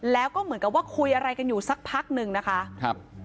แล้วก็เหมือนกับว่าคุยอะไรกันอยู่สักพักหนึ่งนะคะครับ